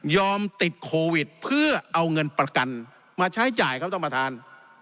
ติดโควิดเพื่อเอาเงินประกันมาใช้จ่ายครับท่านประธาน